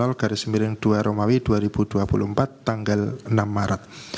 dan garis miring dua puluh empat tanggal enam maret